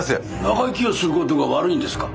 長生きをすることが悪いんですか？